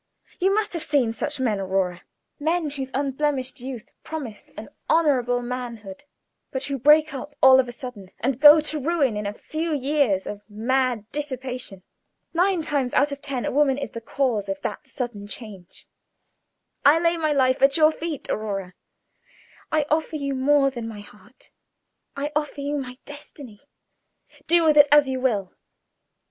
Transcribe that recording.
You must have seen such men, Aurora; men whose unblemished youth promised an honorable manhood, but who break up all of a sudden, and go to ruin in a few years of mad dissipation. Nine times out of ten a woman is the cause of that sudden change. I lay my life at your feet, Aurora; I offer you more than my heart I offer you my destiny. Do with it as you will."